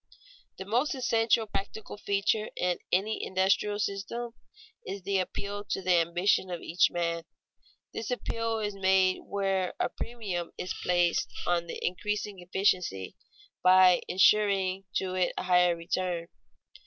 _ The most essential practical feature in any industrial system is the appeal to the ambition of each man. This appeal is made where a premium is placed on increasing efficiency, by insuring to it a higher return.